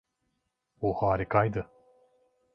Bu harikaydı.